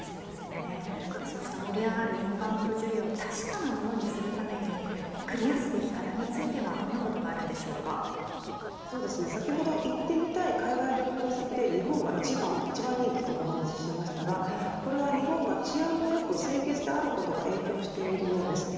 そうした盛り上がるインバウンド需要を確かなものにするためにクリアすべき課題は先ほど行ってみたい海外旅行先で日本が一番人気とお話しましたがこれは日本が治安もよく清潔であることが影響しているようです。